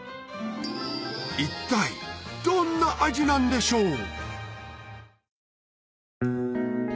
一体どんな味なんでしょう？